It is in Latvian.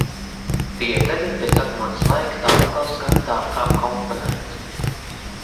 Tikai tagad pēc atmodas laika tā atkal skan tā kā komponēta.